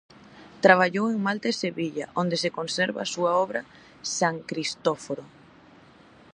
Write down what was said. Traballou en Malta e Sevilla, onde se conserva a súa obra San Cristóforo.